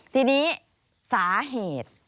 ทีนี้สาเหตุ